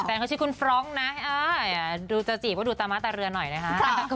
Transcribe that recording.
เขาชื่อคุณฟรองก์นะดูจะจีบก็ดูตาม้าตาเรือหน่อยนะคะ